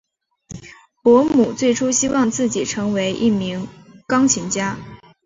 伯姆最初希望自己成为一名钢琴家。